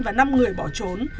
và năm người bỏ trốn